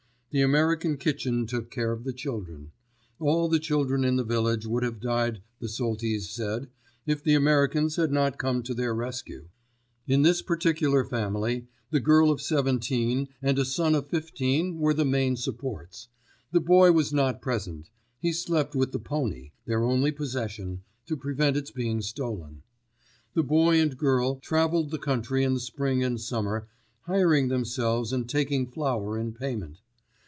The American kitchen took care of the children. All the children in the village would have died the Soltys said, if the Americans had not come to their rescue. In this particular family the girl of seventeen and a son of fifteen were the main supports. The boy was not present; he slept with the pony—their only possession—to prevent its being stolen. The boy and girl travelled the country in the spring and summer, hiring themselves and taking flour in payment.